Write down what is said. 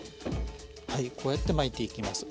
はいこうやって巻いていきます。